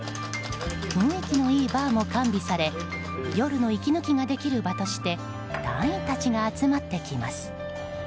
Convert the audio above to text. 雰囲気のいいバーも完備され夜の息抜きができる場として隊員たちが集まってきます。